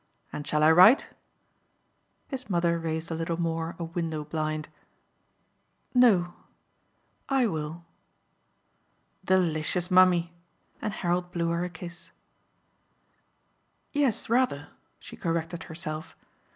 And shall I write?" His mother raised a little more a window blind. "No I will." "Delicious mummy!" And Harold blew her a kiss. "Yes, rather" she corrected herself.